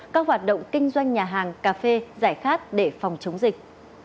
các hoạt động kinh doanh nhà hàng cà phê giải khát để phòng chống dịch